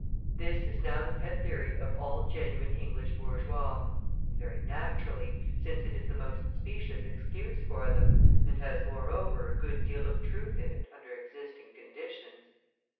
This is now the pet theory of all genuine English bourgeois, and very naturally, since it is the most specious excuse for them, and has, moreover, a good deal of truth in it under existing conditions.